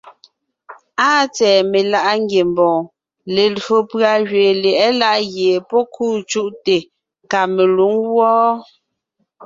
Áa tsɛ̀ɛ meláʼa ngiembɔɔn, lelÿò pʉ̀a gẅiin lyɛ̌ʼɛ láʼ gie pɔ́ kûu cúʼte ka pɔ́ lwǒŋ wɔ́ɔ.